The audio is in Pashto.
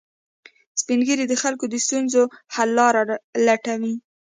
سپین ږیری د خلکو د ستونزو حل لارې لټوي